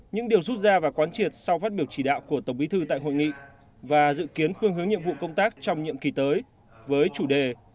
những điều rút ra và quán triệt sau phát biểu chỉ đạo của tổng bí thư tại hội nghị và dự kiến phương hướng nhiệm vụ công tác trong nhiệm kỳ tới với chủ đề